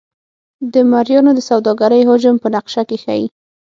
د مریانو د سوداګرۍ حجم په نقشه کې ښيي.